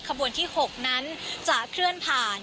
ขบวนที่๖นั้นจะเคลื่อนผ่าน